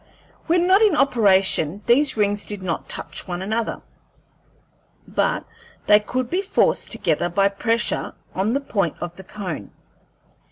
When not in operation these rings did not touch one another, but they could be forced together by pressure on the point of the cone.